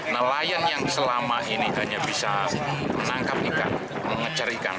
nelayan yang selama ini hanya bisa menangkap ikan mengejar ikan